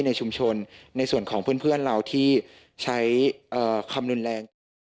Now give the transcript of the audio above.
ในชุมชนในส่วนของเพื่อนเราที่ใช้เอ่อคำนวณแรง